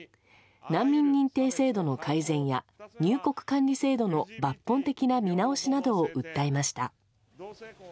難民認定制度の改善や入国管理制度の抜本的な見直しなどを訴えました。